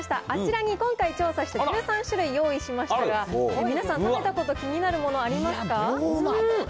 あちらに今回調査した１３種類用意しましたが、皆さん、食べたこと、気になるもの、ありますか？